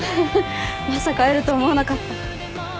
まさか会えると思わなかった。